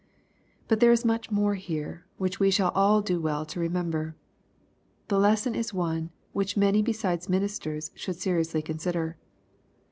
But there is much here which we shall all do well to remember. The lesson is one which many besides ministers should seriously consider.